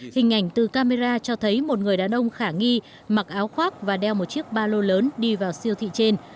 hình ảnh từ camera cho thấy một người đàn ông khả nghi mặc áo khoác và đeo một chiếc ba lô lớn đi vào siêu thị trên